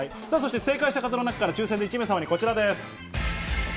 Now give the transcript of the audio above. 正解した方の中から抽選で１名様にこちらです。